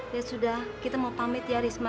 ya sudah kita mau pamit ya risma